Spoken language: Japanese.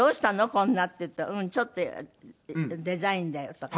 こんな」って言ったら「うん。ちょっとデザインだよ」とか言って。